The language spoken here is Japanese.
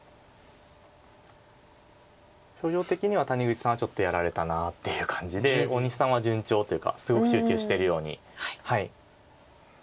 表情的には谷口さんはちょっとやられたなっていう感じで大西さんは順調というかすごく集中してるように。